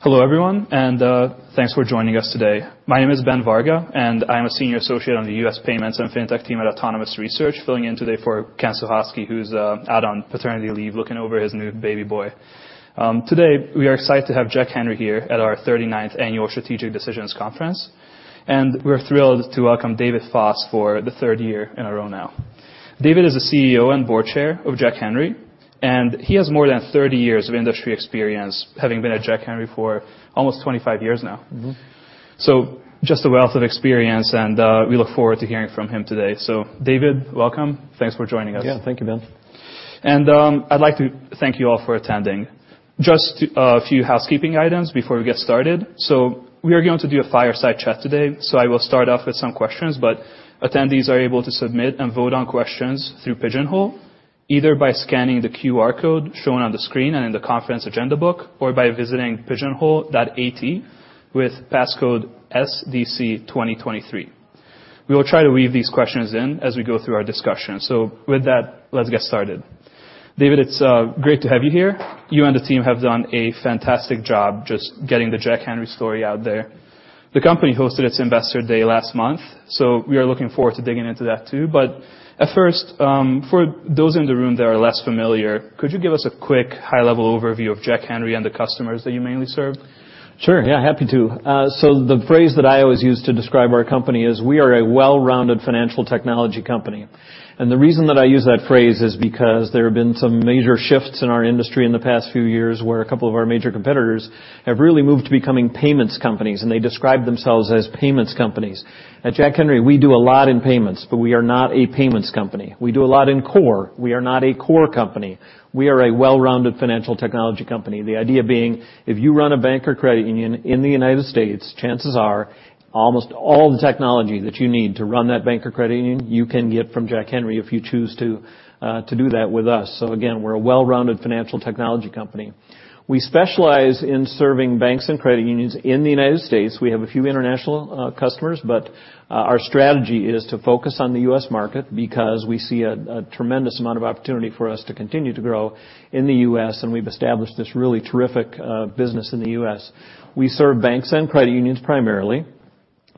Hello, everyone, and thanks for joining us today. My name is Ben Varga, and I am a senior associate on the U.S. Payments and FinTech team at Autonomous Research, filling in today for Ken Sohosky, who's out on paternity leave looking over his new baby boy. Today, we are excited to have Jack Henry here at our 39th Annual Strategic Decisions Conference, and we're thrilled to welcome David Foss for the third year in a row now. David is the CEO and Board Chair of Jack Henry, and he has more than 30 years of industry experience, having been at Jack Henry for almost 25 years now, so just a wealth of experience, and we look forward to hearing from him today, so David, welcome. Thanks for joining us. Yeah, thank you, Ben. I'd like to thank you all for attending. Just a few housekeeping items before we get started. We are going to do a fireside chat today, so I will start off with some questions, but attendees are able to submit and vote on questions through Pigeonhole, either by scanning the QR code shown on the screen and in the conference agenda book, or by visiting pigeonhole.at with passcode SDC2023. We will try to weave these questions in as we go through our discussion. With that, let's get started. David, it's great to have you here. You and the team have done a fantastic job just getting the Jack Henry story out there. The company hosted its Investor Day last month, so we are looking forward to digging into that too. But at first, for those in the room that are less familiar, could you give us a quick high-level overview of Jack Henry and the customers that you mainly serve? Sure. Yeah, happy to. So the phrase that I always use to describe our company is, "We are a well-rounded financial technology company." And the reason that I use that phrase is because there have been some major shifts in our industry in the past few years where a couple of our major competitors have really moved to becoming payments companies, and they describe themselves as payments companies. At Jack Henry, we do a lot in payments, but we are not a payments company. We do a lot in core. We are not a core company. We are a well-rounded financial technology company. The idea being, if you run a bank or credit union in the United States, chances are almost all the technology that you need to run that bank or credit union, you can get from Jack Henry if you choose to do that with us. So again, we're a well-rounded financial technology company. We specialize in serving banks and credit unions in the United States. We have a few international customers, but our strategy is to focus on the US market because we see a tremendous amount of opportunity for us to continue to grow in the US, and we've established this really terrific business in the US. We serve banks and credit unions primarily.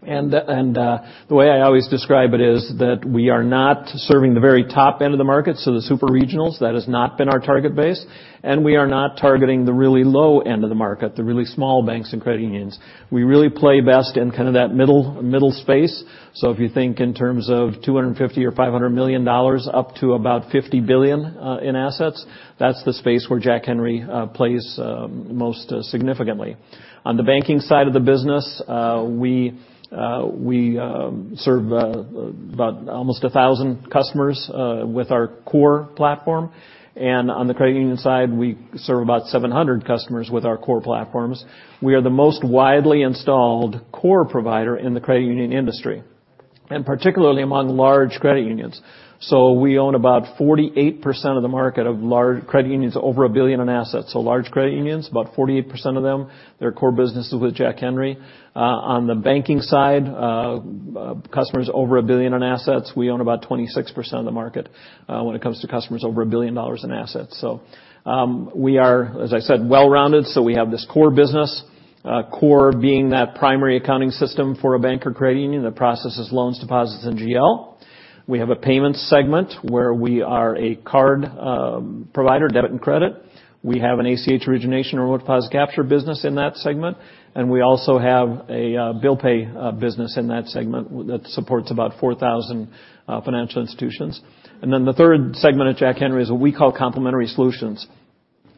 And the way I always describe it is that we are not serving the very top end of the market, so the super regionals. That has not been our target base. And we are not targeting the really low end of the market, the really small banks and credit unions. We really play best in kind of that middle space. So if you think in terms of $250 or $500 million up to about $50 billion in assets, that's the space where Jack Henry plays most significantly. On the banking side of the business, we serve about almost 1,000 customers with our core platform. And on the credit union side, we serve about 700 customers with our core platforms. We are the most widely installed core provider in the credit union industry, and particularly among large credit unions. So we own about 48% of the market of large credit unions, over a billion in assets. So large credit unions, about 48% of them, their core business is with Jack Henry. On the banking side, customers over a billion in assets, we own about 26% of the market when it comes to customers over a billion dollars in assets. So we are, as I said, well-rounded. So we have this core business, core being that primary accounting system for a bank or credit union. The process is loans, deposits, and GL. We have a payments segment where we are a card provider, debit and credit. We have an ACH origination or remote deposit capture business in that segment. And we also have a bill pay business in that segment that supports about 4,000 financial institutions. And then the third segment at Jack Henry is what we call complementary solutions.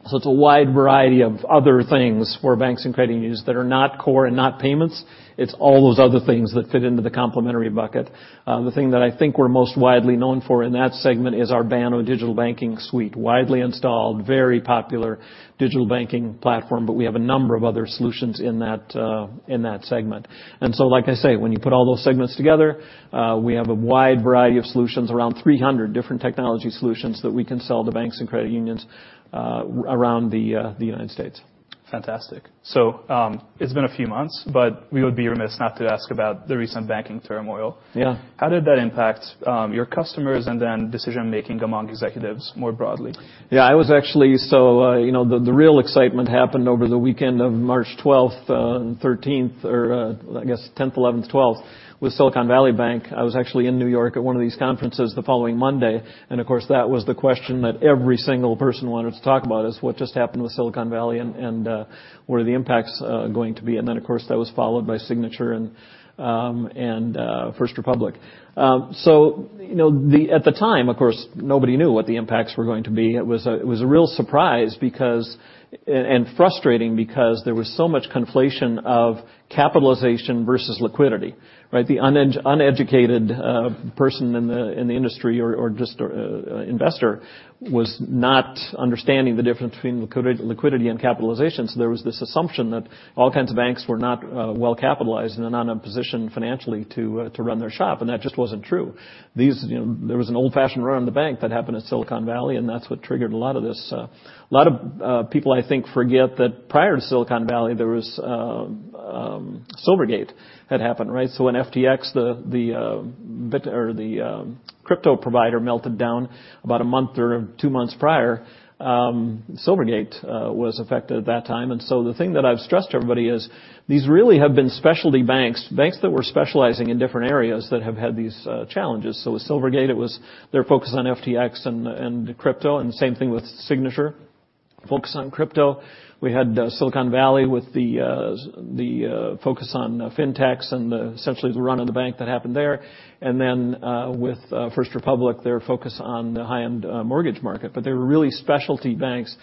So it's a wide variety of other things for banks and credit unions that are not core and not payments. It's all those other things that fit into the complementary bucket. The thing that I think we're most widely known for in that segment is our Banno digital banking suite, widely installed, very popular digital banking platform, but we have a number of other solutions in that segment, and so like I say, when you put all those segments together, we have a wide variety of solutions, around 300 different technology solutions that we can sell to banks and credit unions around the United States. Fantastic. So it's been a few months, but we would be remiss not to ask about the recent banking turmoil. Yeah. How did that impact your customers and then decision-making among executives more broadly? Yeah, I was actually so the real excitement happened over the weekend of March 12th and 13th, or I guess 10th, 11th, 12th, with Silicon Valley Bank. I was actually in New York at one of these conferences the following Monday. And of course, that was the question that every single person wanted to talk about, is what just happened with Silicon Valley and what are the impacts going to be? And then of course, that was followed by Signature Bank and First Republic Bank. So at the time, of course, nobody knew what the impacts were going to be. It was a real surprise and frustrating because there was so much conflation of capitalization versus liquidity. The uneducated person in the industry or just investor was not understanding the difference between liquidity and capitalization. So there was this assumption that all kinds of banks were not well capitalized and not in a position financially to run their shop. And that just wasn't true. There was an old-fashioned run on the bank that happened at Silicon Valley, and that's what triggered a lot of this. A lot of people, I think, forget that prior to Silicon Valley, Silvergate had happened. So when FTX, the crypto provider, melted down about a month or two months prior, Silvergate was affected at that time. And so the thing that I've stressed to everybody is these really have been specialty banks, banks that were specializing in different areas that have had these challenges. So with Silvergate, it was their focus on FTX and crypto, and same thing with Signature, focus on crypto. We had Silicon Valley with the focus on fintechs and essentially the run on the bank that happened there. And then with First Republic, their focus on the high-end mortgage market. But they were really specialty banks.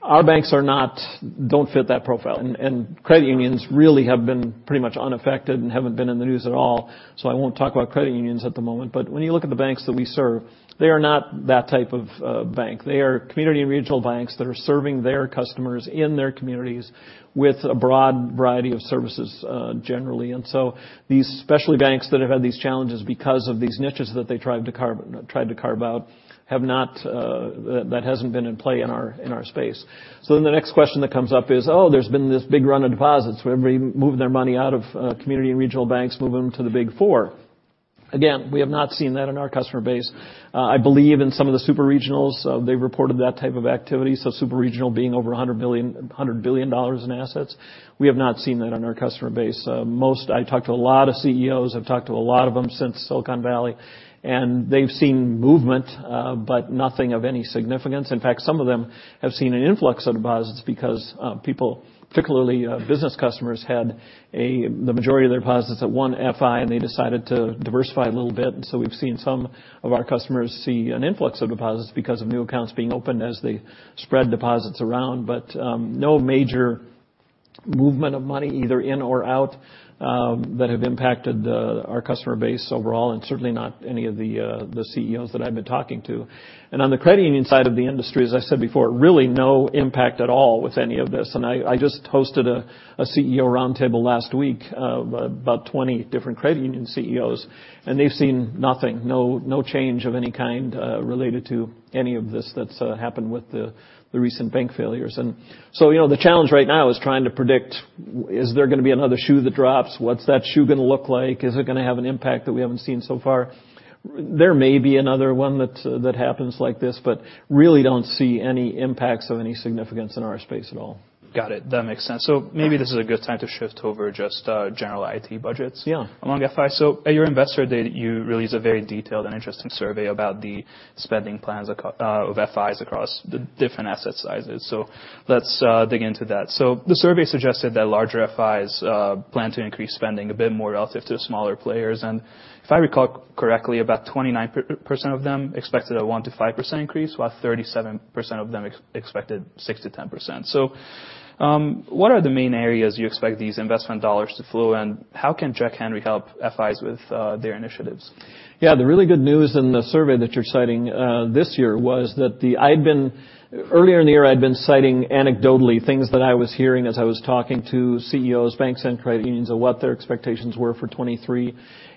Our banks don't fit that profile. And credit unions really have been pretty much unaffected and haven't been in the news at all. So I won't talk about credit unions at the moment. But when you look at the banks that we serve, they are not that type of bank. They are community and regional banks that are serving their customers in their communities with a broad variety of services generally. And so these specialty banks that have had these challenges because of these niches that they tried to carve out, that hasn't been in play in our space. So then the next question that comes up is, oh, there's been this big run of deposits. Everybody moving their money out of community and regional banks, moving them to the Big Four. Again, we have not seen that in our customer base. I believe in some of the super regionals, they've reported that type of activity. So super regional being over $100 billion in assets. We have not seen that on our customer base. I talked to a lot of CEOs. I've talked to a lot of them since Silicon Valley. And they've seen movement, but nothing of any significance. In fact, some of them have seen an influx of deposits because people, particularly business customers, had the majority of their deposits at one FI, and they decided to diversify a little bit. And so we've seen some of our customers see an influx of deposits because of new accounts being opened as they spread deposits around. But no major movement of money, either in or out, that have impacted our customer base overall, and certainly not any of the CEOs that I've been talking to. And on the credit union side of the industry, as I said before, really no impact at all with any of this. And I just hosted a CEO roundtable last week of about 20 different credit union CEOs, and they've seen nothing, no change of any kind related to any of this that's happened with the recent bank failures. And so the challenge right now is trying to predict, is there going to be another shoe that drops? What's that shoe going to look like? Is it going to have an impact that we haven't seen so far? There may be another one that happens like this, but really don't see any impacts of any significance in our space at all. Got it. That makes sense. So maybe this is a good time to shift over just general IT budgets among FIs. So at your Investor Day, you released a very detailed and interesting survey about the spending plans of FIs across the different asset sizes. So let's dig into that. So the survey suggested that larger FIs plan to increase spending a bit more relative to smaller players. And if I recall correctly, about 29% of them expected a 1%-5% increase, while 37% of them expected 6%-10%. So what are the main areas you expect these investment dollars to flow, and how can Jack Henry help FIs with their initiatives? Yeah, the really good news in the survey that you're citing this year was that earlier in the year, I'd been citing anecdotally things that I was hearing as I was talking to CEOs, banks, and credit unions of what their expectations were for 2023.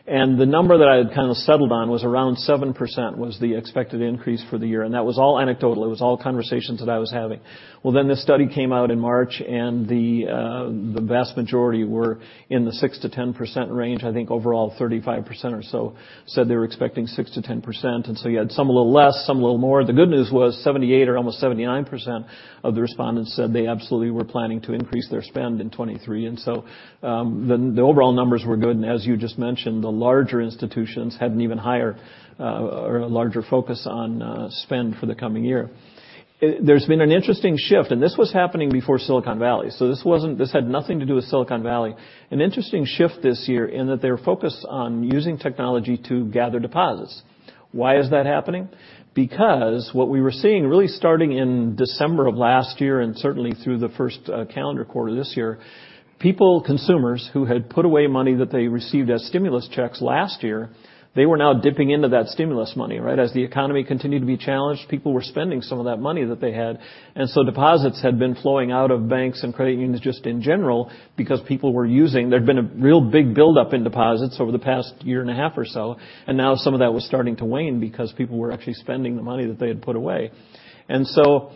And the number that I had kind of settled on was around 7% was the expected increase for the year. And that was all anecdotal. It was all conversations that I was having. Well, then this study came out in March, and the vast majority were in the 6%-10% range. I think overall, 35% or so said they were expecting 6%-10%. And so you had some a little less, some a little more. The good news was 78% or almost 79% of the respondents said they absolutely were planning to increase their spend in 2023. So the overall numbers were good. As you just mentioned, the larger institutions had an even higher or a larger focus on spend for the coming year. There's been an interesting shift, and this was happening before Silicon Valley. This had nothing to do with Silicon Valley. An interesting shift this year in that they're focused on using technology to gather deposits. Why is that happening? Because what we were seeing really starting in December of last year and certainly through the first calendar quarter this year, people, consumers who had put away money that they received as stimulus checks last year, they were now dipping into that stimulus money. As the economy continued to be challenged, people were spending some of that money that they had. And so deposits had been flowing out of banks and credit unions just in general because people were using. There had been a real big buildup in deposits over the past year and a half or so. And now some of that was starting to wane because people were actually spending the money that they had put away. And so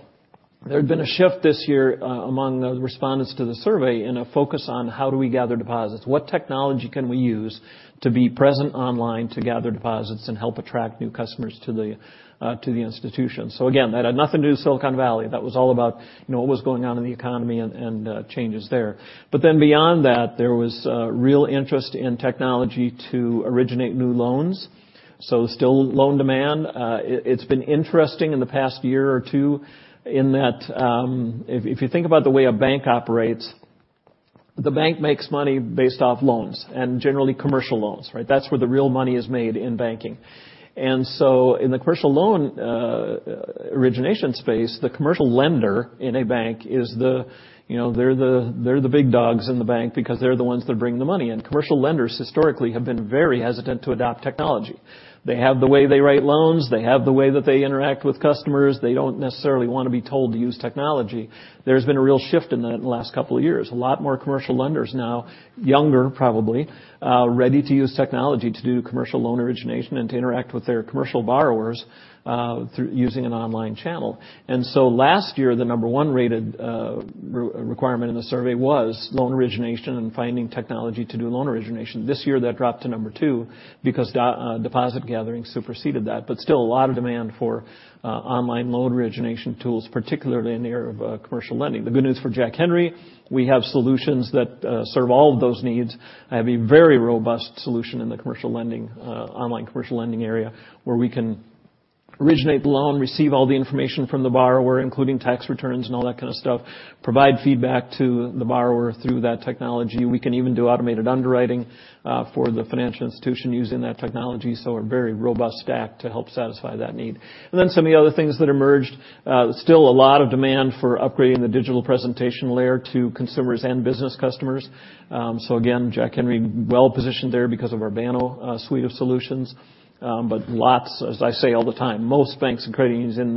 there had been a shift this year among the respondents to the survey in a focus on how do we gather deposits? What technology can we use to be present online to gather deposits and help attract new customers to the institution? So again, that had nothing to do with Silicon Valley. That was all about what was going on in the economy and changes there. But then beyond that, there was real interest in technology to originate new loans. So still loan demand. It's been interesting in the past year or two in that if you think about the way a bank operates, the bank makes money based off loans and generally commercial loans. That's where the real money is made in banking. And so in the commercial loan origination space, the commercial lender in a bank, they're the big dogs in the bank because they're the ones that are bringing the money. And commercial lenders historically have been very hesitant to adopt technology. They have the way they write loans. They have the way that they interact with customers. They don't necessarily want to be told to use technology. There's been a real shift in that in the last couple of years. A lot more commercial lenders now, younger probably, ready to use technology to do commercial loan origination and to interact with their commercial borrowers using an online channel. And so last year, the number one rated requirement in the survey was loan origination and finding technology to do loan origination. This year, that dropped to number two because deposit gathering superseded that. But still a lot of demand for online loan origination tools, particularly in the area of commercial lending. The good news for Jack Henry, we have solutions that serve all of those needs. I have a very robust solution in the online commercial lending area where we can originate the loan, receive all the information from the borrower, including tax returns and all that kind of stuff, provide feedback to the borrower through that technology. We can even do automated underwriting for the financial institution using that technology. So a very robust stack to help satisfy that need. And then some of the other things that emerged. Still a lot of demand for upgrading the digital presentation layer to consumers and business customers. So again, Jack Henry, well positioned there because of our Banno suite of solutions. But lots, as I say all the time, most banks and credit unions in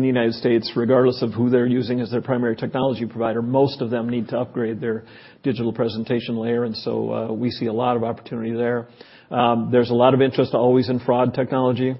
the United States, regardless of who they're using as their primary technology provider, most of them need to upgrade their digital presentation layer. And so we see a lot of opportunity there. There's a lot of interest always in fraud technology.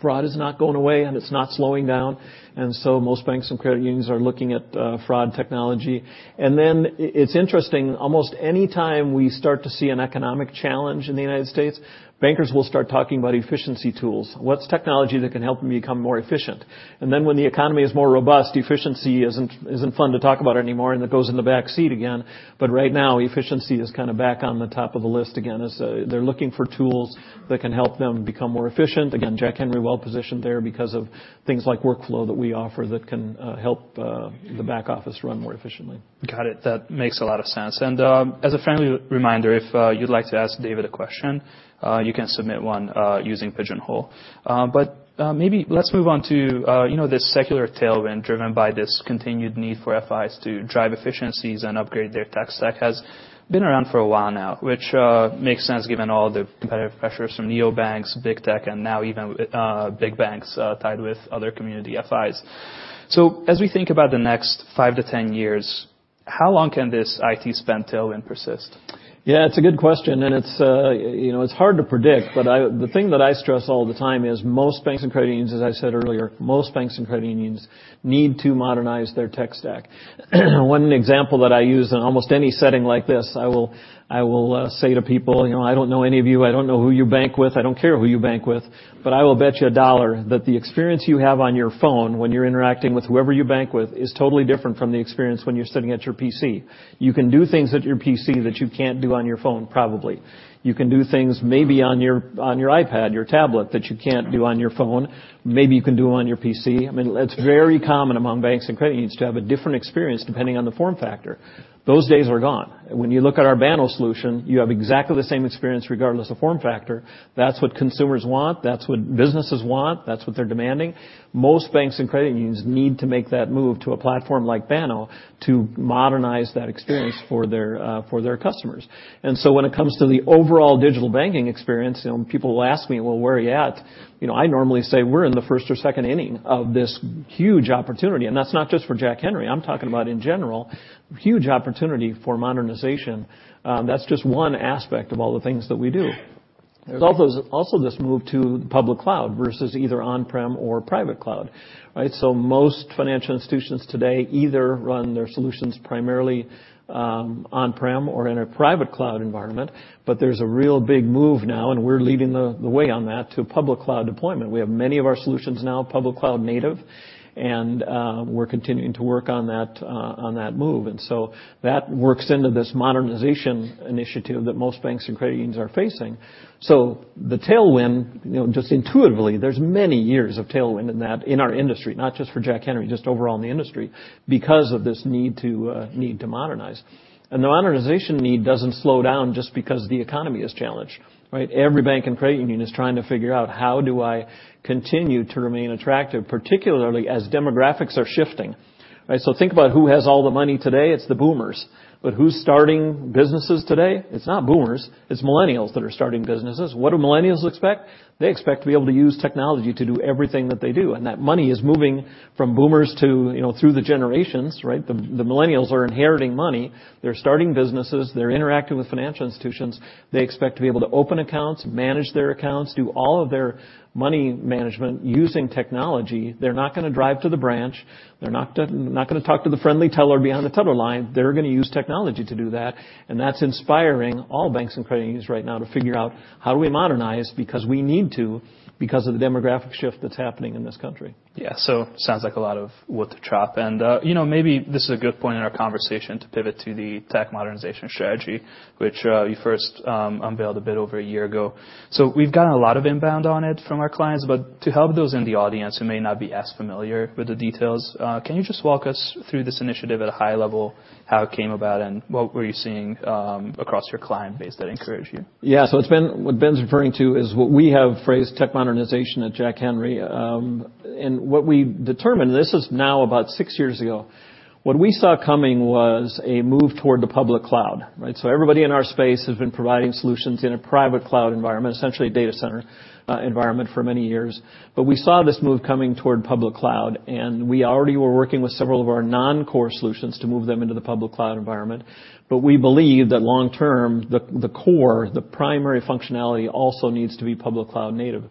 Fraud is not going away, and it's not slowing down. And so most banks and credit unions are looking at fraud technology. And then it's interesting, almost any time we start to see an economic challenge in the United States, bankers will start talking about efficiency tools. What's technology that can help them become more efficient? And then when the economy is more robust, efficiency isn't fun to talk about anymore, and it goes in the back seat again. But right now, efficiency is kind of back on the top of the list again. They're looking for tools that can help them become more efficient. Again, Jack Henry, well positioned there because of things like workflow that we offer that can help the back office run more efficiently. Got it. That makes a lot of sense. And as a friendly reminder, if you'd like to ask David a question, you can submit one using Pigeonhole. But maybe let's move on to this secular tailwind driven by this continued need for FIs to drive efficiencies and upgrade their tech stack has been around for a while now, which makes sense given all the competitive pressures from neobanks, big tech, and now even big banks tied with other community FIs. So as we think about the next five to 10 years, how long can this IT spend tailwind persist? Yeah, it's a good question. And it's hard to predict. But the thing that I stress all the time is most banks and credit unions, as I said earlier, most banks and credit unions need to modernize their tech stack. One example that I use in almost any setting like this, I will say to people, I don't know any of you. I don't know who you bank with. I don't care who you bank with. But I will bet you $1 that the experience you have on your phone when you're interacting with whoever you bank with is totally different from the experience when you're sitting at your PC. You can do things at your PC that you can't do on your phone, probably. You can do things maybe on your iPad, your tablet that you can't do on your phone. Maybe you can do them on your PC. I mean, it's very common among banks and credit unions to have a different experience depending on the form factor. Those days are gone. When you look at our Banno solution, you have exactly the same experience regardless of form factor. That's what consumers want. That's what businesses want. That's what they're demanding. Most banks and credit unions need to make that move to a platform like Banno to modernize that experience for their customers. And so when it comes to the overall digital banking experience, people will ask me, well, where are you at? I normally say we're in the first or second inning of this huge opportunity. And that's not just for Jack Henry. I'm talking about in general, huge opportunity for modernization. That's just one aspect of all the things that we do. There's also this move to public cloud versus either on-prem or private cloud. So most financial institutions today either run their solutions primarily on-prem or in a private cloud environment. But there's a real big move now, and we're leading the way on that to public cloud deployment. We have many of our solutions now public cloud native, and we're continuing to work on that move. And so that works into this modernization initiative that most banks and credit unions are facing. So the tailwind, just intuitively, there's many years of tailwind in that in our industry, not just for Jack Henry, just overall in the industry because of this need to modernize. And the modernization need doesn't slow down just because the economy is challenged. Every bank and credit union is trying to figure out how do I continue to remain attractive, particularly as demographics are shifting. So think about who has all the money today. It's the boomers. But who's starting businesses today? It's not boomers. It's millennials that are starting businesses. What do millennials expect? They expect to be able to use technology to do everything that they do. And that money is moving from boomers to through the generations. The millennials are inheriting money. They're starting businesses. They're interacting with financial institutions. They expect to be able to open accounts, manage their accounts, do all of their money management using technology. They're not going to drive to the branch. They're not going to talk to the friendly teller behind the teller line. They're going to use technology to do that. And that's inspiring all banks and credit unions right now to figure out how do we modernize because we need to because of the demographic shift that's happening in this country. Yeah. So it sounds like a lot of wood to chop. And maybe this is a good point in our conversation to pivot to the tech modernization strategy, which you first unveiled a bit over a year ago. So we've gotten a lot of inbound on it from our clients. But to help those in the audience who may not be as familiar with the details, can you just walk us through this initiative at a high level, how it came about, and what were you seeing across your client base that encouraged you? Yeah. So what Ben's referring to is what we have phrased tech modernization at Jack Henry. And what we determined, and this is now about six years ago, what we saw coming was a move toward the public cloud. So everybody in our space has been providing solutions in a private cloud environment, essentially a data center environment for many years. But we saw this move coming toward public cloud. And we already were working with several of our non-core solutions to move them into the public cloud environment. But we believe that long term, the core, the primary functionality also needs to be public cloud native.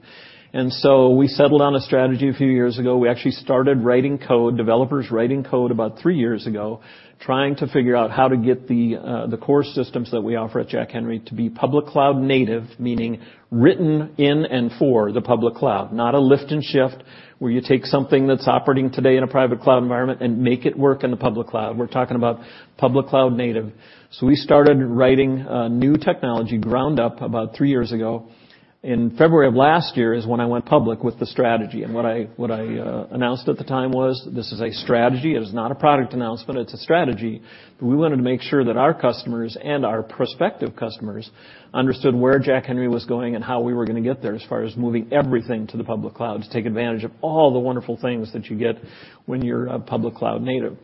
And so we settled on a strategy a few years ago. We actually started writing code, developers writing code about three years ago, trying to figure out how to get the core systems that we offer at Jack Henry to be public cloud native, meaning written in and for the public cloud, not a lift and shift where you take something that's operating today in a private cloud environment and make it work in the public cloud. We're talking about public cloud native. We started writing new technology ground up about three years ago. In February of last year is when I went public with the strategy. What I announced at the time was this is a strategy. It is not a product announcement. It's a strategy. But we wanted to make sure that our customers and our prospective customers understood where Jack Henry was going and how we were going to get there as far as moving everything to the public cloud to take advantage of all the wonderful things that you get when you're public cloud native.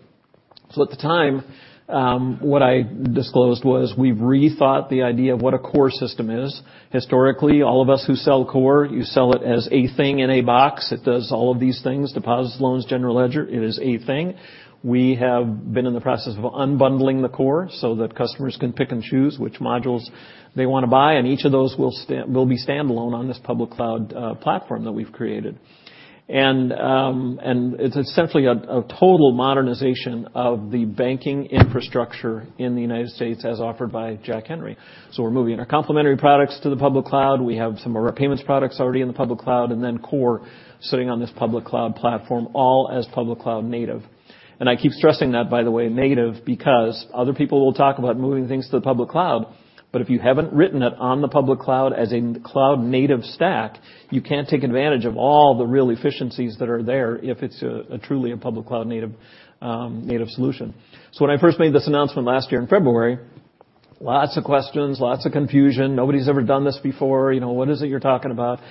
So at the time, what I disclosed was we've rethought the idea of what a core system is. Historically, all of us who sell core, you sell it as a thing in a box. It does all of these things, deposits, loans, general ledger. It is a thing. We have been in the process of unbundling the core so that customers can pick and choose which modules they want to buy. And each of those will be standalone on this public cloud platform that we've created. It's essentially a total modernization of the banking infrastructure in the United States as offered by Jack Henry. So we're moving our complementary products to the public cloud. We have some of our payments products already in the public cloud and then core sitting on this public cloud platform, all as public cloud native. And I keep stressing that, by the way, native because other people will talk about moving things to the public cloud. But if you haven't written it on the public cloud as a cloud native stack, you can't take advantage of all the real efficiencies that are there if it's truly a public cloud native solution. So when I first made this announcement last year in February, lots of questions, lots of confusion. Nobody's ever done this before. What is it you're talking about?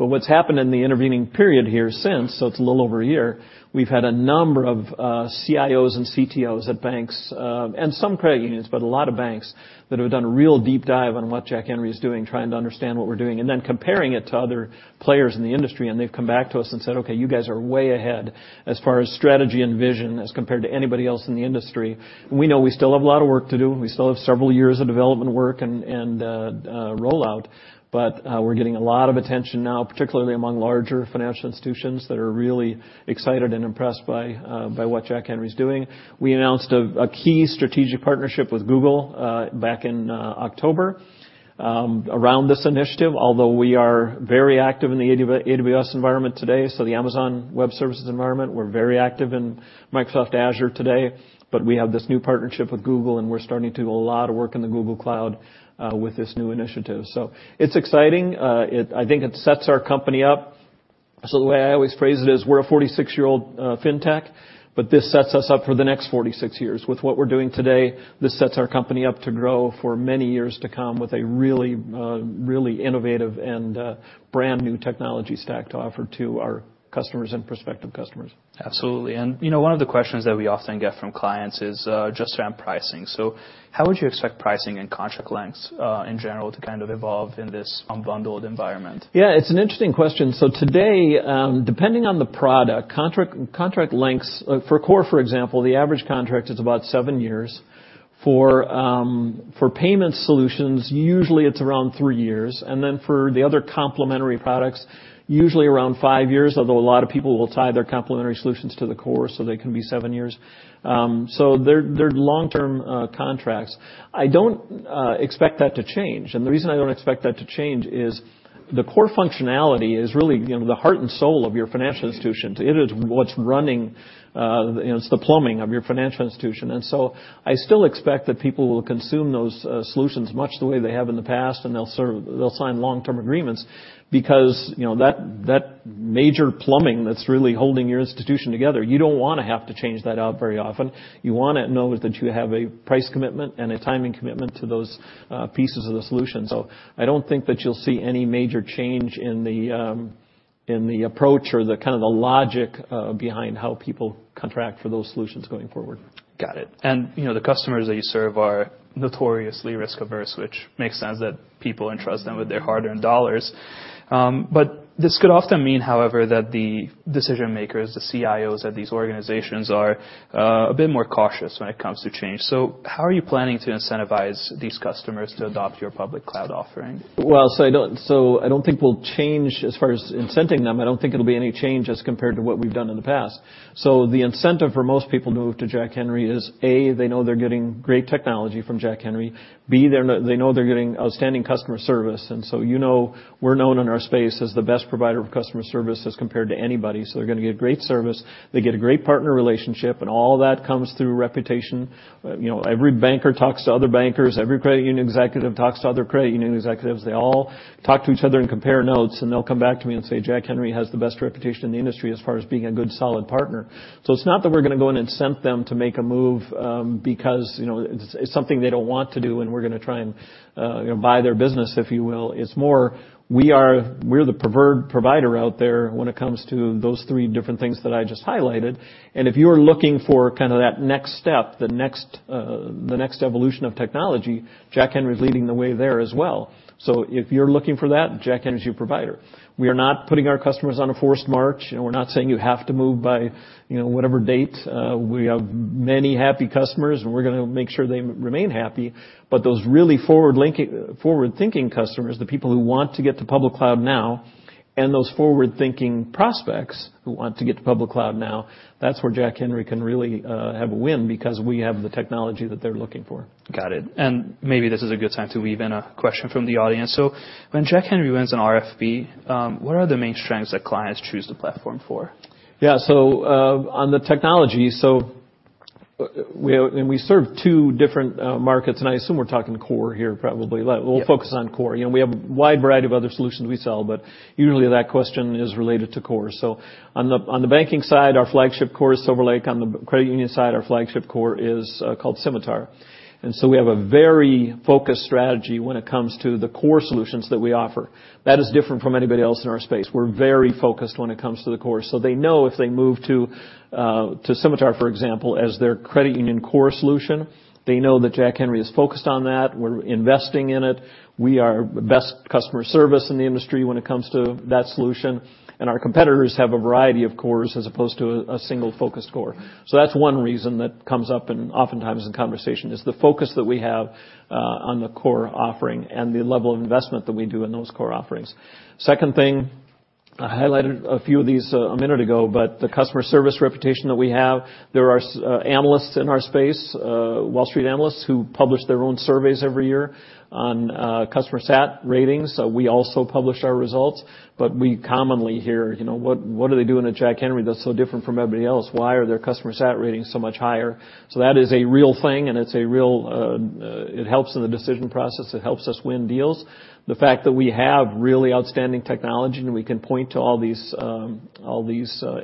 But what's happened in the intervening period here since, so it's a little over a year, we've had a number of CIOs and CTOs at banks and some credit unions, but a lot of banks that have done a real deep dive on what Jack Henry is doing, trying to understand what we're doing, and then comparing it to other players in the industry. And they've come back to us and said, "Okay, you guys are way ahead as far as strategy and vision as compared to anybody else in the industry." We know we still have a lot of work to do. We still have several years of development work and rollout. But we're getting a lot of attention now, particularly among larger financial institutions that are really excited and impressed by what Jack Henry is doing. We announced a key strategic partnership with Google back in October around this initiative, although we are very active in the AWS environment today, so the Amazon Web Services environment, we're very active in Microsoft Azure today, but we have this new partnership with Google, and we're starting to do a lot of work in the Google Cloud with this new initiative, so it's exciting. I think it sets our company up, so the way I always phrase it is we're a 46-year-old fintech, but this sets us up for the next 46 years. With what we're doing today, this sets our company up to grow for many years to come with a really, really innovative and brand new technology stack to offer to our customers and prospective customers. Absolutely. And one of the questions that we often get from clients is just around pricing. So how would you expect pricing and contract lengths in general to kind of evolve in this unbundled environment? Yeah, it's an interesting question. So today, depending on the product, contract lengths for core, for example, the average contract is about seven years. For payment solutions, usually it's around three years. And then for the other complementary products, usually around five years, although a lot of people will tie their complementary solutions to the core, so they can be seven years. So they're long-term contracts. I don't expect that to change. And the reason I don't expect that to change is the core functionality is really the heart and soul of your financial institution. It is what's running the plumbing of your financial institution. And so I still expect that people will consume those solutions much the way they have in the past, and they'll sign long-term agreements because that major plumbing that's really holding your institution together, you don't want to have to change that out very often. You want to know that you have a price commitment and a timing commitment to those pieces of the solution, so I don't think that you'll see any major change in the approach or kind of the logic behind how people contract for those solutions going forward. Got it. And the customers that you serve are notoriously risk-averse, which makes sense that people entrust them with their hard-earned dollars. But this could often mean, however, that the decision makers, the CIOs at these organizations are a bit more cautious when it comes to change. So how are you planning to incentivize these customers to adopt your public cloud offering? Well, so I don't think we'll change as far as incenting them. I don't think it'll be any change as compared to what we've done in the past. So the incentive for most people to move to Jack Henry is, A, they know they're getting great technology from Jack Henry. B, they know they're getting outstanding customer service. And so you know we're known in our space as the best provider of customer service as compared to anybody. So they're going to get great service. They get a great partner relationship. And all that comes through reputation. Every banker talks to other bankers. Every credit union executive talks to other credit union executives. They all talk to each other and compare notes. And they'll come back to me and say, "Jack Henry has the best reputation in the industry as far as being a good solid partner." So it's not that we're going to go in and incent them to make a move because it's something they don't want to do, and we're going to try and buy their business, if you will. It's more we are the preferred provider out there when it comes to those three different things that I just highlighted. And if you are looking for kind of that next step, the next evolution of technology, Jack Henry is leading the way there as well. So if you're looking for that, Jack Henry is your provider. We are not putting our customers on a forced march. We're not saying you have to move by whatever date. We have many happy customers, and we're going to make sure they remain happy. But those really forward-thinking customers, the people who want to get to public cloud now, and those forward-thinking prospects who want to get to public cloud now, that's where Jack Henry can really have a win because we have the technology that they're looking for. Got it. And maybe this is a good time to weave in a question from the audience. So when Jack Henry runs an RFP, what are the main strengths that clients choose the platform for? Yeah. So on the technology, so we serve two different markets, and I assume we're talking core here probably. We'll focus on core. We have a wide variety of other solutions we sell, but usually that question is related to core. So on the banking side, our flagship core is SilverLake. On the credit union side, our flagship core is called Symitar, and so we have a very focused strategy when it comes to the core solutions that we offer. That is different from anybody else in our space. We're very focused when it comes to the core, so they know if they move to Symitar, for example, as their credit union core solution, they know that Jack Henry is focused on that. We're investing in it. We are the best customer service in the industry when it comes to that solution. Our competitors have a variety of cores as opposed to a single focused core. So that's one reason that comes up and oftentimes in conversation is the focus that we have on the core offering and the level of investment that we do in those core offerings. Second thing, I highlighted a few of these a minute ago, but the customer service reputation that we have. There are analysts in our space, Wall Street analysts, who publish their own surveys every year on customer sat ratings. So we also publish our results. But we commonly hear, "What are they doing at Jack Henry that's so different from everybody else? Why are their customer sat ratings so much higher?" So that is a real thing, and it helps in the decision process. It helps us win deals. The fact that we have really outstanding technology and we can point to all these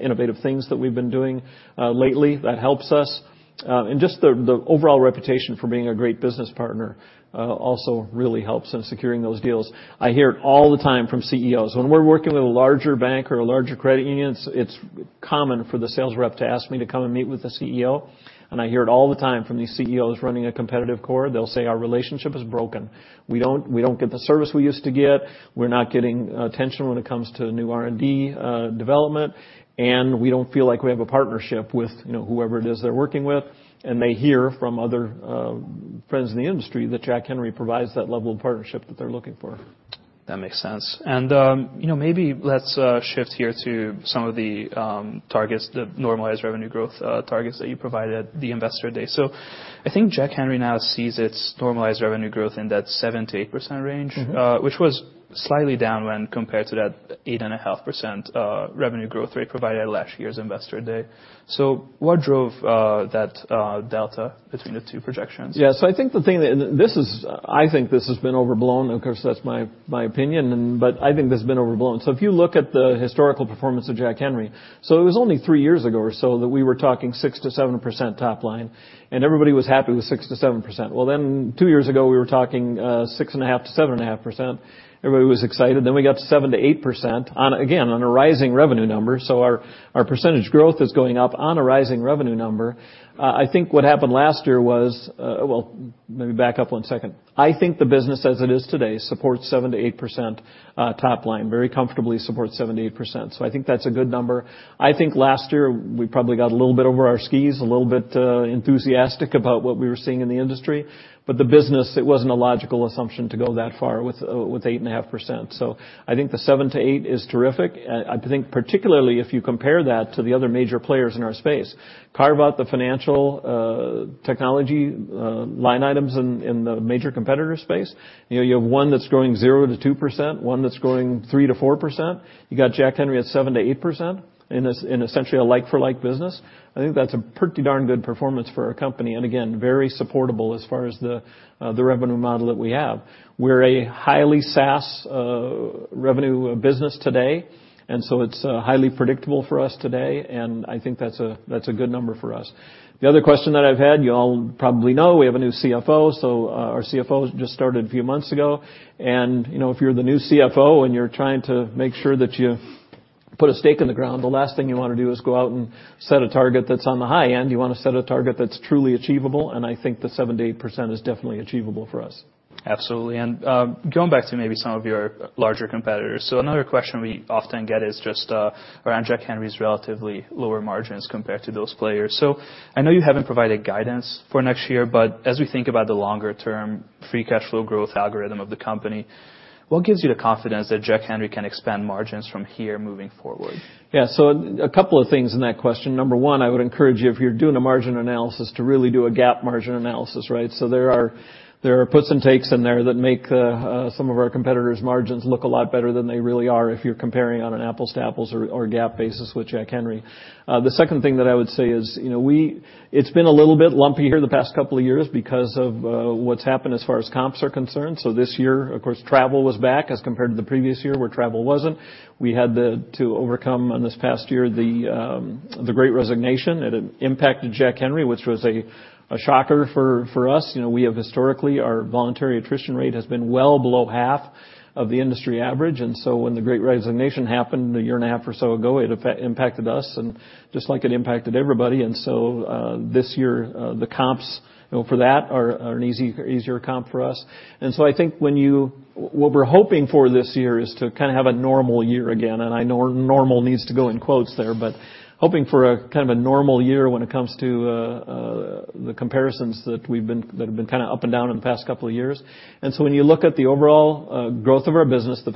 innovative things that we've been doing lately, that helps us. And just the overall reputation for being a great business partner also really helps in securing those deals. I hear it all the time from CEOs. When we're working with a larger bank or a larger credit union, it's common for the sales rep to ask me to come and meet with the CEO. And I hear it all the time from these CEOs running a competitive core. They'll say, "Our relationship is broken. We don't get the service we used to get. We're not getting attention when it comes to new R&D development. And we don't feel like we have a partnership with whoever it is they're working with." And they hear from other friends in the industry that Jack Henry provides that level of partnership that they're looking for. That makes sense. And maybe let's shift here to some of the targets, the normalized revenue growth targets that you provided the investor today. So I think Jack Henry now sees its normalized revenue growth in that 7%-8% range, which was slightly down when compared to that 8.5% revenue growth rate provided at last year's investor day. So what drove that delta between the two projections? Yeah. So I think the thing that I think this has been overblown. Of course, that's my opinion, but I think this has been overblown. If you look at the historical performance of Jack Henry, it was only three years ago or so that we were talking 6%-7% top line. Everybody was happy with 6%-7%. Then two years ago, we were talking 6.5%-7.5%. Everybody was excited. We got to 7%-8%, again, on a rising revenue number. Our percentage growth is going up on a rising revenue number. I think what happened last year was, well, let me back up one second. The business as it is today supports 7%-8% top line. It very comfortably supports 7%-8%. I think that's a good number. I think last year we probably got a little bit over our skis, a little bit enthusiastic about what we were seeing in the industry. But the business, it wasn't a logical assumption to go that far with 8.5%. So I think the 7%-8% is terrific. I think particularly if you compare that to the other major players in our space, carve out the financial technology line items in the major competitor space. You have one that's growing 0%-2%, one that's growing 3%-4%. You got Jack Henry at 7%-8% in essentially a like-for-like business. I think that's a pretty darn good performance for our company. And again, very supportable as far as the revenue model that we have. We're a highly SaaS revenue business today. And so it's highly predictable for us today. And I think that's a good number for us. The other question that I've had, you all probably know, we have a new CFO. So our CFO just started a few months ago. And if you're the new CFO and you're trying to make sure that you put a stake in the ground, the last thing you want to do is go out and set a target that's on the high end. You want to set a target that's truly achievable. And I think the 7%-8% is definitely achievable for us. Absolutely. And going back to maybe some of your larger competitors, so another question we often get is just around Jack Henry's relatively lower margins compared to those players. So I know you haven't provided guidance for next year, but as we think about the longer-term free cash flow growth algorithm of the company, what gives you the confidence that Jack Henry can expand margins from here moving forward? Yeah. So a couple of things in that question. Number one, I would encourage you, if you're doing a margin analysis, to really do a GAAP margin analysis, right? So there are puts and takes in there that make some of our competitors' margins look a lot better than they really are if you're comparing on an apples-to-apples or GAAP basis with Jack Henry. The second thing that I would say is it's been a little bit lumpy here the past couple of years because of what's happened as far as comps are concerned. So this year, of course, travel was back as compared to the previous year where travel wasn't. We had to overcome, this past year, the Great Resignation. It impacted Jack Henry, which was a shocker for us. We have historically, our voluntary attrition rate has been well below half of the industry average. And so when the Great Resignation happened a year and a half or so ago, it impacted us and just like it impacted everybody. And so this year, the comps for that are an easier comp for us. And so I think what we're hoping for this year is to kind of have a normal year again. And I know "normal" needs to go in quotes there, but hoping for kind of a normal year when it comes to the comparisons that have been kind of up and down in the past couple of years. And so when you look at the overall growth of our business, the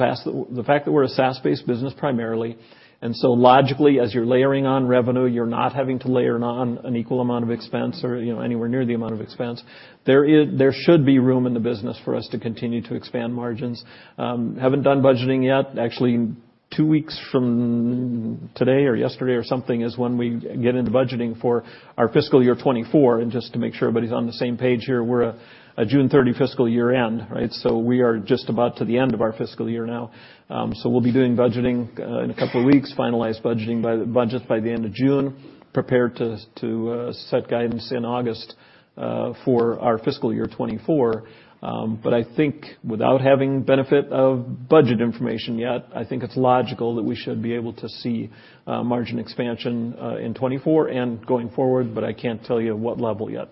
fact that we're a SaaS-based business primarily, and so logically, as you're layering on revenue, you're not having to layer on an equal amount of expense or anywhere near the amount of expense, there should be room in the business for us to continue to expand margins. Haven't done budgeting yet. Actually, two weeks from today or yesterday or something is when we get into budgeting for our fiscal year 2024. And just to make sure everybody's on the same page here, we're a June 30 fiscal year-end, right? So we are just about to the end of our fiscal year now. So we'll be doing budgeting in a couple of weeks, finalize budget by the end of June, prepare to set guidance in August for our fiscal year 2024. But I think without having benefit of budget information yet, I think it's logical that we should be able to see margin expansion in 2024 and going forward, but I can't tell you what level yet.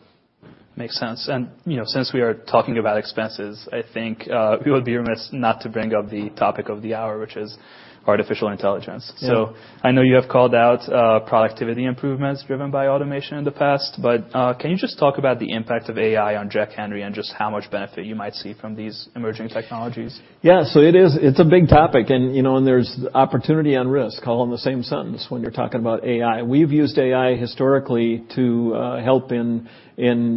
Makes sense. And since we are talking about expenses, I think it would be remiss not to bring up the topic of the hour, which is artificial intelligence. So I know you have called out productivity improvements driven by automation in the past, but can you just talk about the impact of AI on Jack Henry and just how much benefit you might see from these emerging technologies? Yeah. So it's a big topic. And there's opportunity and risk, all in the same sentence when you're talking about AI. We've used AI historically to help in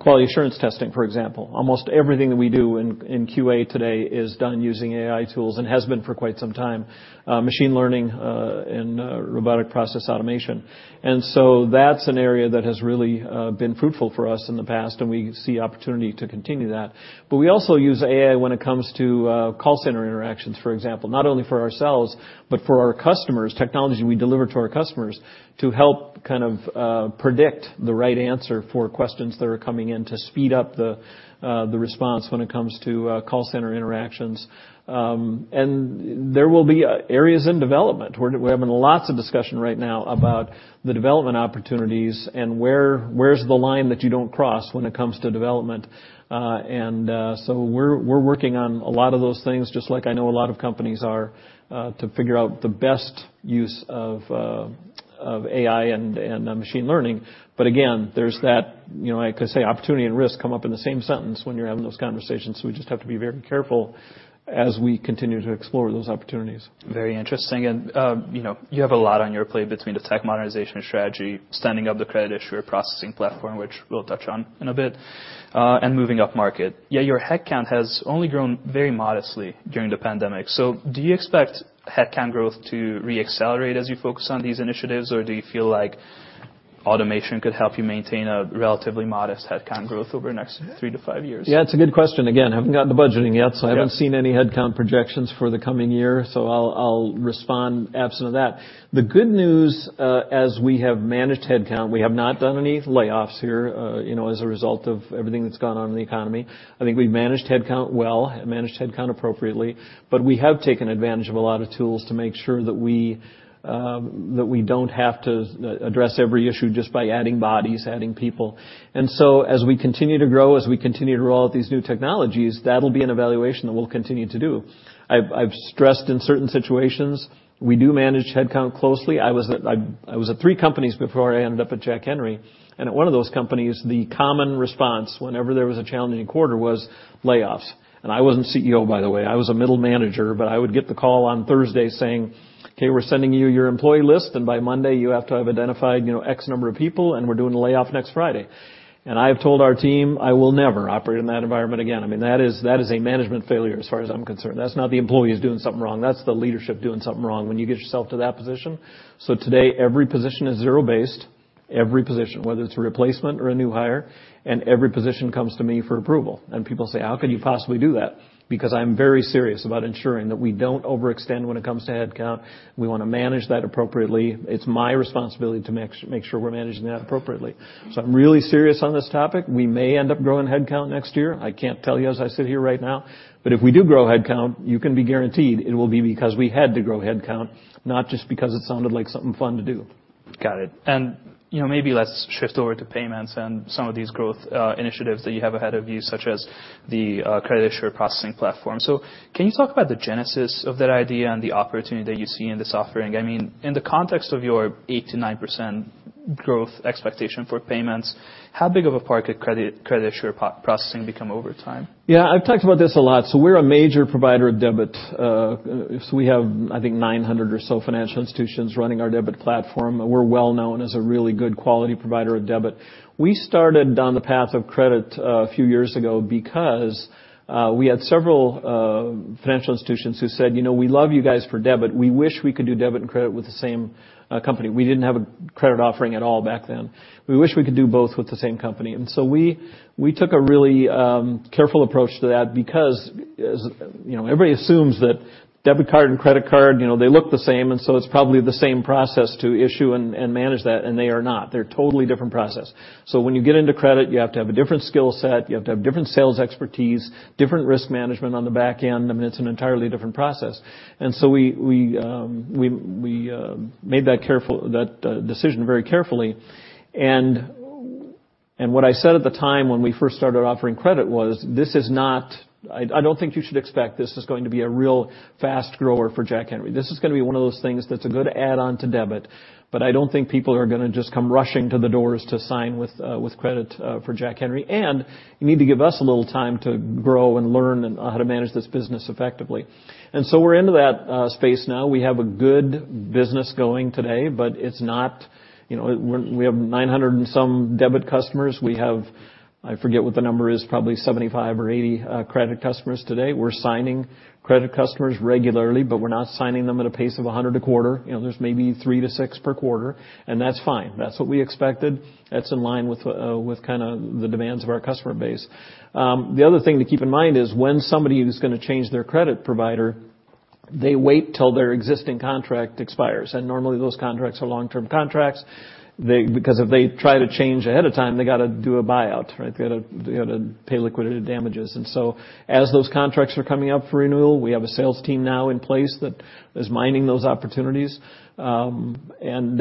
quality assurance testing, for example. Almost everything that we do in QA today is done using AI tools and has been for quite some time, machine learning and robotic process automation. And so that's an area that has really been fruitful for us in the past, and we see opportunity to continue that. But we also use AI when it comes to call center interactions, for example, not only for ourselves, but for our customers, technology we deliver to our customers to help kind of predict the right answer for questions that are coming in to speed up the response when it comes to call center interactions. And there will be areas in development. We're having lots of discussion right now about the development opportunities and where's the line that you don't cross when it comes to development. And so we're working on a lot of those things, just like I know a lot of companies are, to figure out the best use of AI and machine learning. But again, there's that, I could say opportunity and risk come up in the same sentence when you're having those conversations. So we just have to be very careful as we continue to explore those opportunities. Very interesting, and you have a lot on your plate between the tech modernization strategy, standing up the credit union processing platform, which we'll touch on in a bit, and moving up market. Yeah, your headcount has only grown very modestly during the pandemic. So do you expect headcount growth to re-accelerate as you focus on these initiatives, or do you feel like automation could help you maintain a relatively modest headcount growth over the next three to five years? Yeah, it's a good question. Again, I haven't gotten the budgeting yet, so I haven't seen any headcount projections for the coming year. So I'll respond absent of that. The good news, as we have managed headcount, we have not done any layoffs here as a result of everything that's gone on in the economy. I think we've managed headcount well and managed headcount appropriately. But we have taken advantage of a lot of tools to make sure that we don't have to address every issue just by adding bodies, adding people. And so as we continue to grow, as we continue to roll out these new technologies, that'll be an evaluation that we'll continue to do. I've stressed in certain situations, we do manage headcount closely. I was at three companies before I ended up at Jack Henry. At one of those companies, the common response whenever there was a challenging quarter was layoffs. I wasn't CEO, by the way. I was a middle manager, but I would get the call on Thursday saying, "Okay, we're sending you your employee list, and by Monday you have to have identified X number of people, and we're doing a layoff next Friday." I have told our team, "I will never operate in that environment again." I mean, that is a management failure as far as I'm concerned. That's not the employees doing something wrong. That's the leadership doing something wrong when you get yourself to that position. Today, every position is zero-based, every position, whether it's a replacement or a new hire, and every position comes to me for approval. People say, "How could you possibly do that?" Because I'm very serious about ensuring that we don't overextend when it comes to headcount. We want to manage that appropriately. It's my responsibility to make sure we're managing that appropriately. So I'm really serious on this topic. We may end up growing headcount next year. I can't tell you as I sit here right now. But if we do grow headcount, you can be guaranteed it will be because we had to grow headcount, not just because it sounded like something fun to do. Got it. And maybe let's shift over to payments and some of these growth initiatives that you have ahead of you, such as the credit issuer processing platform. So can you talk about the genesis of that idea and the opportunity that you see in this offering? I mean, in the context of your 8%-9% growth expectation for payments, how big of a part could credit issuer processing become over time? Yeah, I've talked about this a lot. So we're a major provider of debit. So we have, I think, 900 or so financial institutions running our debit platform. We're well known as a really good quality provider of debit. We started down the path of credit a few years ago because we had several financial institutions who said, "We love you guys for debit. We wish we could do debit and credit with the same company." We didn't have a credit offering at all back then. We wish we could do both with the same company. And so we took a really careful approach to that because everybody assumes that debit card and credit card, they look the same. And so it's probably the same process to issue and manage that, and they are not. They're totally different processes. So when you get into credit, you have to have a different skill set. You have to have different sales expertise, different risk management on the back end. I mean, it's an entirely different process. And so we made that decision very carefully. And what I said at the time when we first started offering credit was, "This is not, I don't think you should expect this is going to be a real fast grower for Jack Henry. This is going to be one of those things that's a good add-on to debit, but I don't think people are going to just come rushing to the doors to sign with credit for Jack Henry. And you need to give us a little time to grow and learn how to manage this business effectively." And so we're into that space now. We have a good business going today, but it's not. We have 900 and some debit customers. We have, I forget what the number is, probably 75 or 80 credit customers today. We're signing credit customers regularly, but we're not signing them at a pace of 100 a quarter. There's maybe three to six per quarter, and that's fine. That's what we expected. That's in line with kind of the demands of our customer base. The other thing to keep in mind is when somebody is going to change their credit provider, they wait till their existing contract expires. Normally those contracts are long-term contracts because if they try to change ahead of time, they got to do a buyout, right? They got to pay liquidated damages. And so as those contracts are coming up for renewal, we have a sales team now in place that is mining those opportunities. And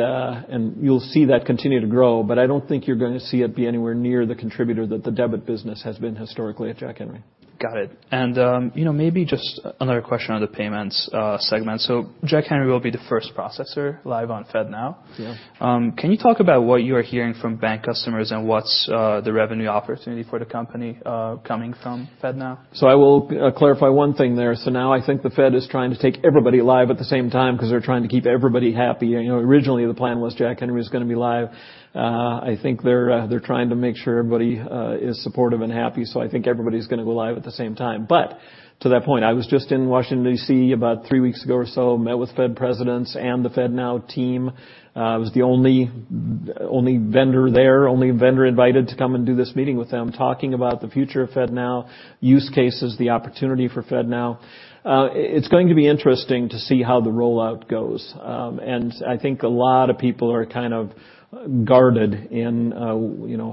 you'll see that continue to grow, but I don't think you're going to see it be anywhere near the contributor that the debit business has been historically at Jack Henry. Got it. And maybe just another question on the payments segment. So Jack Henry will be the first processor live on FedNow. Can you talk about what you are hearing from bank customers and what's the revenue opportunity for the company coming from FedNow? So I will clarify one thing there. So now I think the Fed is trying to take everybody live at the same time because they're trying to keep everybody happy. Originally, the plan was Jack Henry was going to be live. I think they're trying to make sure everybody is supportive and happy. So I think everybody's going to go live at the same time. But to that point, I was just in Washington, D.C., about three weeks ago or so, met with Fed presidents and the FedNow team. I was the only vendor there, only vendor invited to come and do this meeting with them, talking about the future of FedNow, use cases, the opportunity for FedNow. It's going to be interesting to see how the rollout goes. And I think a lot of people are kind of guarded in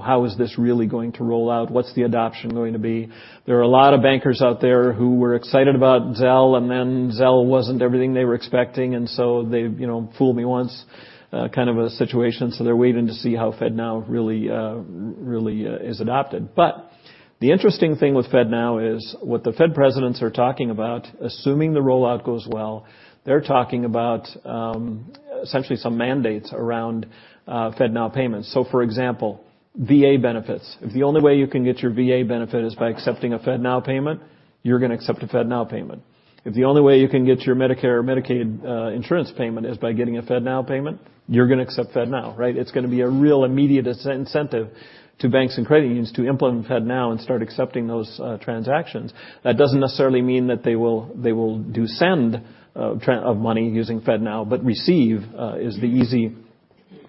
how is this really going to roll out? What's the adoption going to be? There are a lot of bankers out there who were excited about Zelle, and then Zelle wasn't everything they were expecting. And so they fooled me once, kind of a situation. So they're waiting to see how FedNow really is adopted. But the interesting thing with FedNow is what the Fed presidents are talking about, assuming the rollout goes well, they're talking about essentially some mandates around FedNow payments. So for example, VA benefits. If the only way you can get your VA benefit is by accepting a FedNow payment, you're going to accept a FedNow payment. If the only way you can get your Medicare or Medicaid insurance payment is by getting a FedNow payment, you're going to accept FedNow, right? It's going to be a real immediate incentive to banks and credit unions to implement FedNow and start accepting those transactions. That doesn't necessarily mean that they will send money using FedNow, but receive is the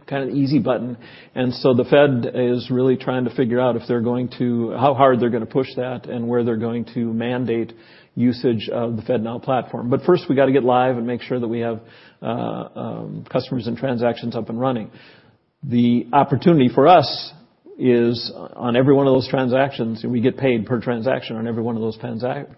kind of easy button, and so the Fed is really trying to figure out if they're going to, how hard they're going to push that and where they're going to mandate usage of the FedNow platform, but first we got to get live and make sure that we have customers and transactions up and running. The opportunity for us is on every one of those transactions, and we get paid per transaction on every one of those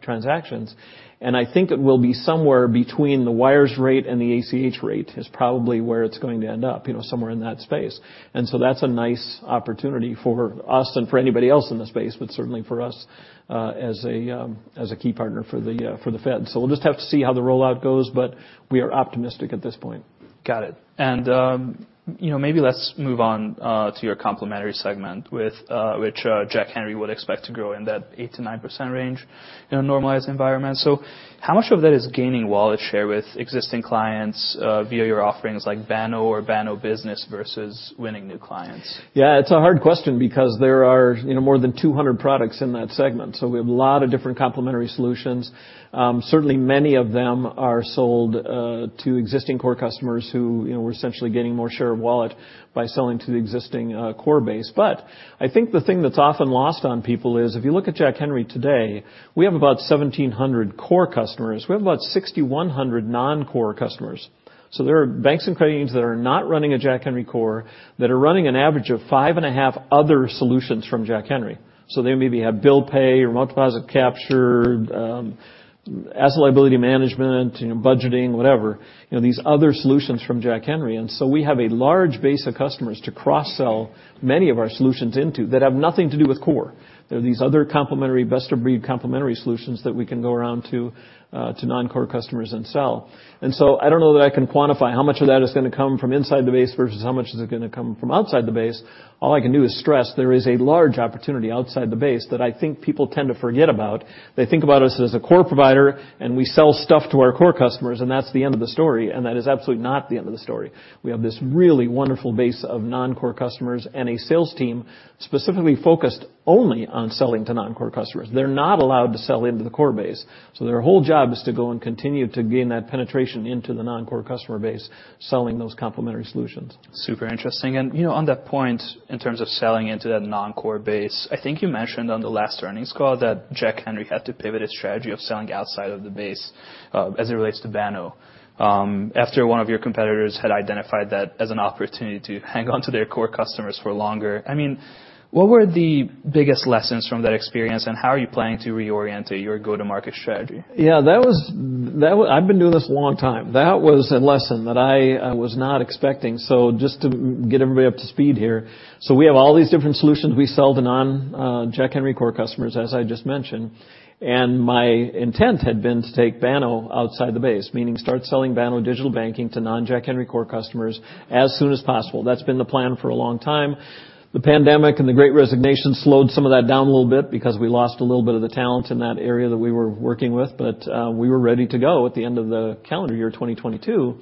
transactions, and I think it will be somewhere between the wires rate and the ACH rate, is probably where it's going to end up, somewhere in that space, and so that's a nice opportunity for us and for anybody else in the space, but certainly for us as a key partner for the Fed. So we'll just have to see how the rollout goes, but we are optimistic at this point. Got it. And maybe let's move on to your complementary segment, which Jack Henry would expect to grow in that 8%-9% range in a normalized environment. So how much of that is gaining wallet share with existing clients via your offerings like Banno or Banno Business versus winning new clients? Yeah, it's a hard question because there are more than 200 products in that segment. So we have a lot of different complementary solutions. Certainly, many of them are sold to existing core customers who were essentially getting more share of wallet by selling to the existing core base. But I think the thing that's often lost on people is if you look at Jack Henry today, we have about 1,700 core customers. We have about 6,100 non-core customers. So there are banks and credit unions that are not running a Jack Henry core, that are running an average of five and a half other solutions from Jack Henry. So they maybe have bill pay, remote deposit capture, asset liability management, budgeting, whatever, these other solutions from Jack Henry. And so we have a large base of customers to cross-sell many of our solutions into that have nothing to do with core. There are these other complementary, best of breed complementary solutions that we can go around to non-core customers and sell. And so I don't know that I can quantify how much of that is going to come from inside the base versus how much is going to come from outside the base. All I can do is stress there is a large opportunity outside the base that I think people tend to forget about. They think about us as a core provider, and we sell stuff to our core customers, and that's the end of the story. And that is absolutely not the end of the story. We have this really wonderful base of non-core customers and a sales team specifically focused only on selling to non-core customers. They're not allowed to sell into the core base. So their whole job is to go and continue to gain that penetration into the non-core customer base selling those complementary solutions. Super interesting. And on that point, in terms of selling into that non-core base, I think you mentioned on the last earnings call that Jack Henry had to pivot his strategy of selling outside of the base as it relates to Banno. After one of your competitors had identified that as an opportunity to hang on to their core customers for longer, I mean, what were the biggest lessons from that experience, and how are you planning to reorient your go-to-market strategy? Yeah, I've been doing this a long time. That was a lesson that I was not expecting. Just to get everybody up to speed here, we have all these different solutions we sell to non-Jack Henry core customers, as I just mentioned. My intent had been to take Banno outside the base, meaning start selling Banno digital banking to non-Jack Henry core customers as soon as possible. That's been the plan for a long time. The pandemic and the Great Resignation slowed some of that down a little bit because we lost a little bit of the talent in that area that we were working with. We were ready to go at the end of the calendar year, 2022.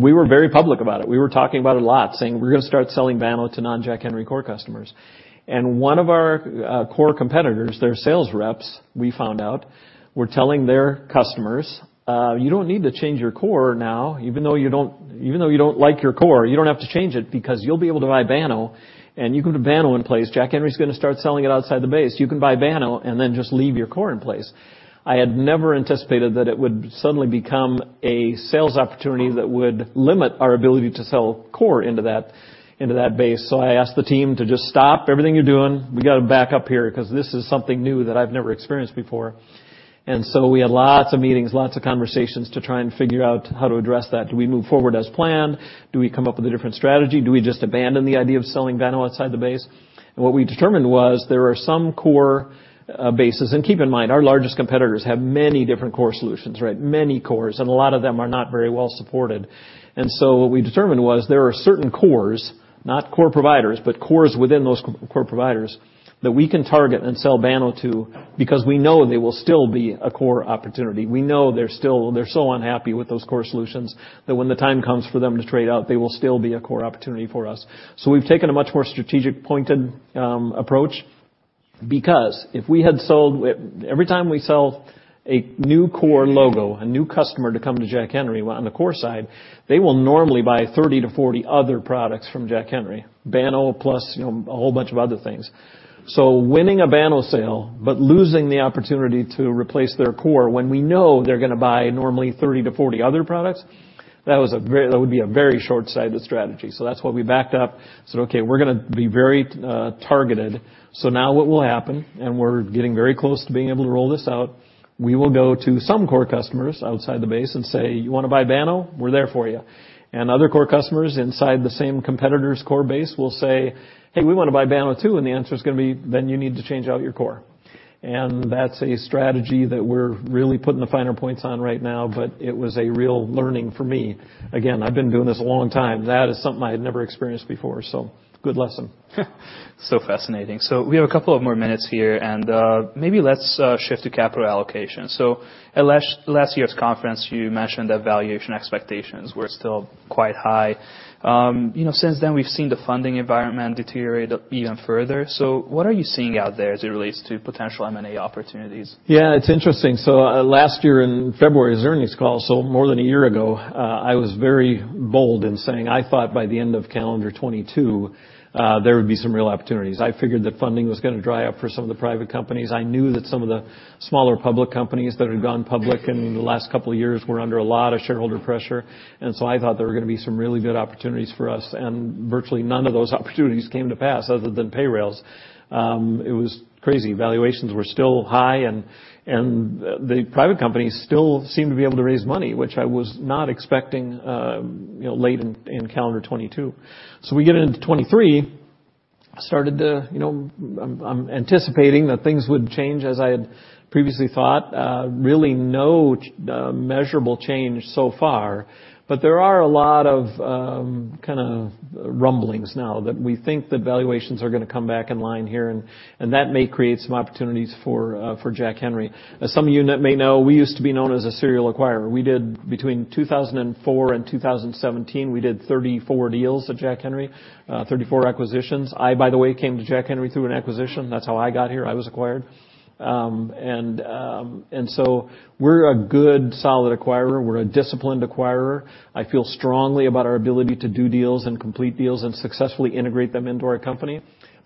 We were very public about it. We were talking about it a lot, saying we're going to start selling Banno to non-Jack Henry core customers. One of our core competitors, their sales reps, we found out, were telling their customers, "You don't need to change your core now. Even though you don't like your core, you don't have to change it because you'll be able to buy Banno. And you can put Banno in place. Jack Henry's going to start selling it outside the base. You can buy Banno and then just leave your core in place." I had never anticipated that it would suddenly become a sales opportunity that would limit our ability to sell core into that base. So I asked the team to just stop everything you're doing. We got to back up here because this is something new that I've never experienced before. And so we had lots of meetings, lots of conversations to try and figure out how to address that. Do we move forward as planned? Do we come up with a different strategy? Do we just abandon the idea of selling Banno outside the base? And what we determined was there are some core bases. And keep in mind, our largest competitors have many different core solutions, right? Many cores. And a lot of them are not very well supported. And so what we determined was there are certain cores, not core providers, but cores within those core providers that we can target and sell Banno to because we know they will still be a core opportunity. We know they're so unhappy with those core solutions that when the time comes for them to trade out, they will still be a core opportunity for us. So we've taken a much more strategic pointed approach because if we had sold every time we sell a new core logo, a new customer to come to Jack Henry on the core side, they will normally buy 30-40 other products from Jack Henry, Banno plus a whole bunch of other things. So winning a Banno sale, but losing the opportunity to replace their core when we know they're going to buy normally 30-40 other products, that would be a very short-sighted strategy. So that's why we backed up. Said, "Okay, we're going to be very targeted. So now what will happen?" And we're getting very close to being able to roll this out. We will go to some core customers outside the base and say, "You want to buy Banno? We're there for you." And other core customers inside the same competitor's core base will say, "Hey, we want to buy Banno too." And the answer is going to be, "Then you need to change out your core." And that's a strategy that we're really putting the finer points on right now, but it was a real learning for me. Again, I've been doing this a long time. That is something I had never experienced before. So good lesson. So fascinating. So we have a couple of more minutes here, and maybe let's shift to capital allocation. So at last year's conference, you mentioned that valuation expectations were still quite high. Since then, we've seen the funding environment deteriorate even further. So what are you seeing out there as it relates to potential M&A opportunities? Yeah, it's interesting. So last year in February's earnings call, so more than a year ago, I was very bold in saying I thought by the end of calendar 2022, there would be some real opportunities. I figured that funding was going to dry up for some of the private companies. I knew that some of the smaller public companies that had gone public in the last couple of years were under a lot of shareholder pressure. And so I thought there were going to be some really good opportunities for us. And virtually none of those opportunities came to pass other than Payrailz. It was crazy. Valuations were still high, and the private companies still seemed to be able to raise money, which I was not expecting late in calendar 2022. So we get into 2023, started to anticipating that things would change as I had previously thought. Really no measurable change so far, but there are a lot of kind of rumblings now that we think that valuations are going to come back in line here, and that may create some opportunities for Jack Henry. As some of you may know, we used to be known as a serial acquirer. We did between 2004 and 2017, we did 34 deals at Jack Henry, 34 acquisitions. I, by the way, came to Jack Henry through an acquisition. That's how I got here. I was acquired. And so we're a good solid acquirer. We're a disciplined acquirer. I feel strongly about our ability to do deals and complete deals and successfully integrate them into our company.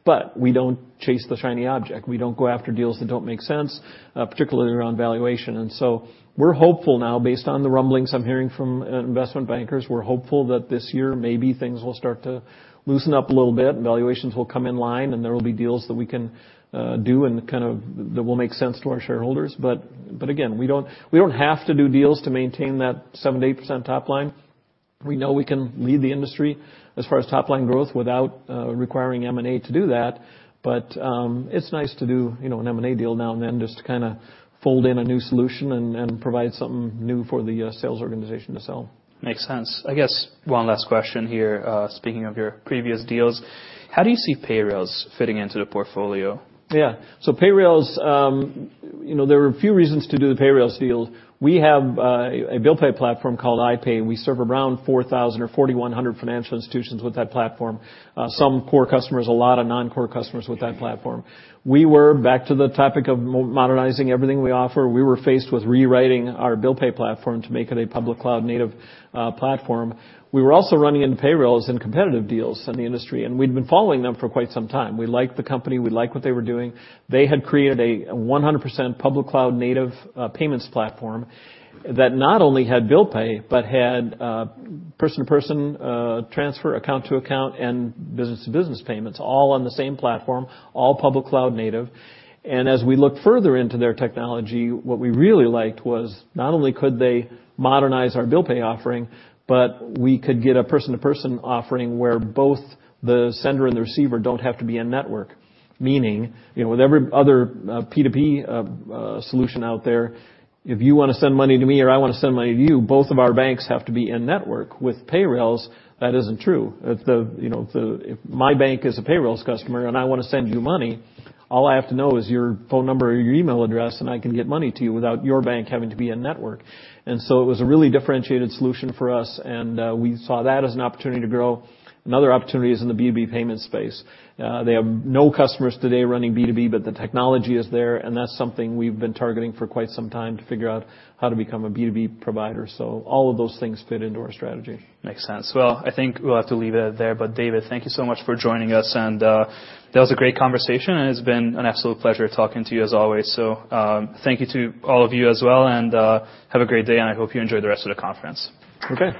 But we don't chase the shiny object. We don't go after deals that don't make sense, particularly around valuation. And so we're hopeful now, based on the rumblings I'm hearing from investment bankers, we're hopeful that this year maybe things will start to loosen up a little bit, and valuations will come in line, and there will be deals that we can do and kind of that will make sense to our shareholders. But again, we don't have to do deals to maintain that 7%-8% top line. We know we can lead the industry as far as top line growth without requiring M&A to do that. But it's nice to do an M&A deal now and then just to kind of fold in a new solution and provide something new for the sales organization to sell. Makes sense. I guess one last question here, speaking of your previous deals. How do you see Payrailz fitting into the portfolio? Yeah. So Payrailz, there are a few reasons to do the Payrailz deal. We have a bill pay platform called iPay. We serve around 4,000 or 4,100 financial institutions with that platform, some core customers, a lot of non-core customers with that platform. We were back to the topic of modernizing everything we offer. We were faced with rewriting our bill pay platform to make it a public cloud-native platform. We were also running into Payrailz and competitive deals in the industry, and we'd been following them for quite some time. We liked the company. We liked what they were doing. They had created a 100% public cloud-native payments platform that not only had bill pay, but had person-to-person transfer, account-to-account, and business-to-business payments, all on the same platform, all public cloud-native. As we looked further into their technology, what we really liked was not only could they modernize our bill pay offering, but we could get a person-to-person offering where both the sender and the receiver don't have to be in network. Meaning with every other P2P solution out there, if you want to send money to me or I want to send money to you, both of our banks have to be in network. With Payrailz, that isn't true. If my bank is a Payrailz customer and I want to send you money, all I have to know is your phone number or your email address, and I can get money to you without your bank having to be in network. So it was a really differentiated solution for us, and we saw that as an opportunity to grow. Another opportunity is in the B2B payment space. They have no customers today running B2B, but the technology is there, and that's something we've been targeting for quite some time to figure out how to become a B2B provider. So all of those things fit into our strategy. Makes sense. Well, I think we'll have to leave it there. But David, thank you so much for joining us, and that was a great conversation, and it's been an absolute pleasure talking to you as always. So thank you to all of you as well, and have a great day, and I hope you enjoy the rest of the conference. Okay.